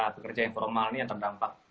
pekerja informal ini yang terdampak